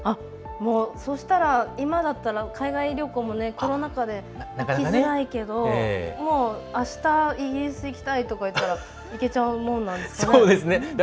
そしたら今だったら海外旅行もコロナ禍で行きづらいけどあした、イギリス行きたいとかいったら行けちゃうもんなんですかね。